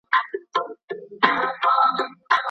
د نجونو لیلیه سمدلاسه نه تطبیقیږي.